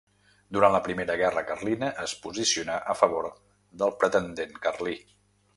Durant la primera guerra carlina es posicionà a favor del pretendent carlí.